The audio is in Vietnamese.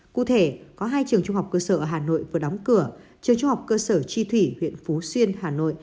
cụ thể có hai trường trung học cơ sở ở hà nội vừa đóng cửa trường trung học cơ sở chi thủy huyện phú xuyên hà nội